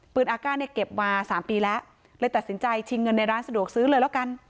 อาก้าเนี่ยเก็บมา๓ปีแล้วเลยตัดสินใจชิงเงินในร้านสะดวกซื้อเลยแล้วกัน